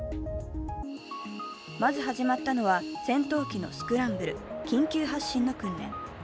まず始まったのは、戦闘機のスクランブル＝緊急発進の訓練。